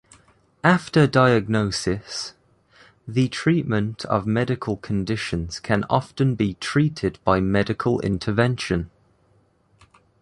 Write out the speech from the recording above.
After diagnosis, the treatment of medical conditions can often be treated by medical intervention.